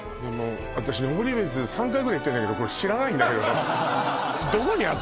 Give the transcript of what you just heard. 私登別３回ぐらい行ってんだけどこれ知らないんだけどどこにあった？